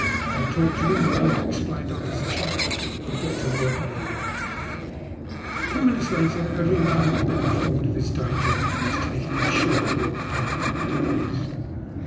I'll talk to them, and when I*ve explained our position, we'll get to work on the laager." Ten minutes later every man had been informed of his danger, and was taking his share of work upon the barricades.